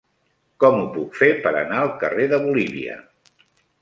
Com ho puc fer per anar al carrer de Bolívia?